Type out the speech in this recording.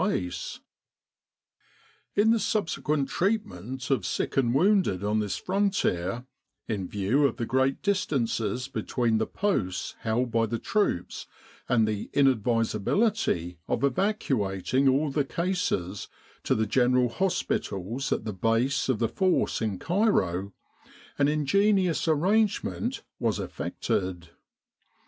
The Defence of Egypt on the West In the subsequent treatment of sick and wounded on this frontier, in view of the great distances between the posts held by the troops and the inadvisability of evacuating all the cases to the General Hospitals at the Base of the Force in Cairo, an ingenious arrange ment was effected.